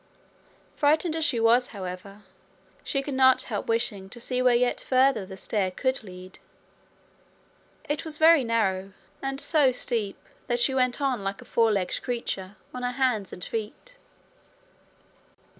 Frightened as she was, however, she could not help wishing to see where yet further the stair could lead. It was very narrow, and so steep that she went on like a four legged creature on her hands and feet.